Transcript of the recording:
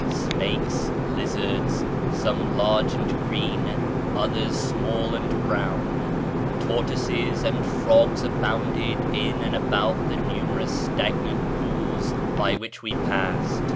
Snakes, lizards (some large and green, others small and brown), tortoises, and frogs abounded in and about the numerous stagnant pools by which we passed.